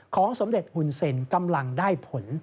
ของสมเด็จหุ่นเซ็นกำลังได้ผล